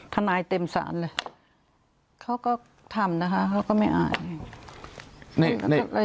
ทนายเต็มศาลเลยเขาก็ทำนะคะเขาก็ไม่อ่าน